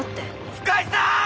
深井さん！